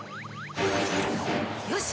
よし！